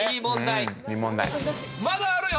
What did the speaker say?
まだあるよ！